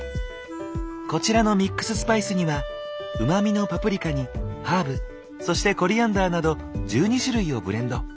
こちらのミックススパイスにはうまみのパプリカにハーブそしてコリアンダーなど１２種類をブレンド。